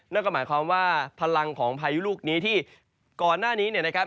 นั่นก็หมายความว่าพลังของพายุลูกนี้ที่ก่อนหน้านี้เนี่ยนะครับ